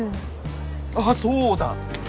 あっそうだ！